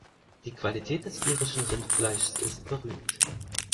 Die Qualität des irischen Rindfleischs ist berühmt.